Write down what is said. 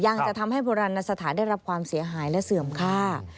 จะทำให้โบราณสถานได้รับความเสียหายและเสื่อมค่า